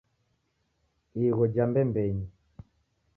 Igho ja mbembenyi